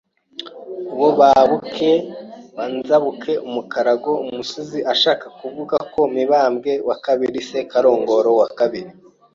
wobabuke wanzabuke umukarago Umusizi ashaka kuvuga ko Miamwe II Sekarongoro II